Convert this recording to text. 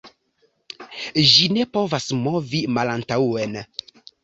Ĝi ne povas movi malantaŭen.